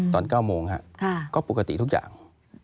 ตอน๙โมงครับก็ปกติทุกอย่าง